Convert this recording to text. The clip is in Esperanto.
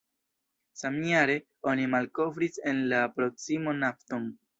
Samjare, oni malkovris en la proksimo nafton.